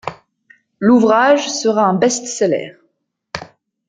L'ouvrage sera un best-seller.